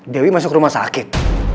dewi masuk rumah sakit